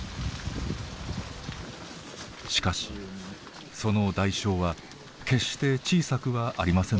しかしその代償は決して小さくはありませんでした。